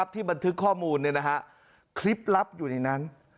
ที่บันทึกข้อมูลคลิปลับอยู่ในนั้น